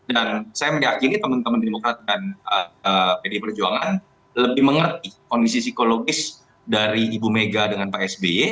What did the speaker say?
dan saya meyakini teman teman demokrat dan pd perjuangan lebih mengerti kondisi psikologis dari ibu mega dengan pak sby